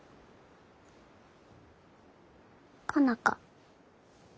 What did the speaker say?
佳奈花。